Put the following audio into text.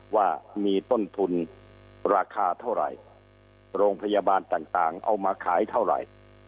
ว่ามีต้นทุนราคาเท่าไหร่โรงพยาบาลต่างเอามาขายเท่าไหร่